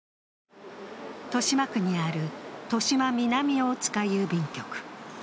豊島区にある豊島南大塚郵便局。